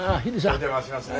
お邪魔しますね。